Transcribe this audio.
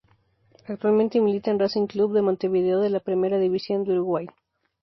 Actualmente milita en Racing Club de Montevideo de la Primera División de Uruguay.